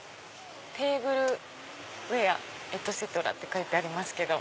テーブルウエアエトセトラって書いてあります。